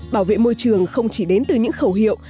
bảo vệ môi trường không chỉ đến từ những khẩu hiệu